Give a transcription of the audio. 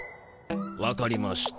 わかりました。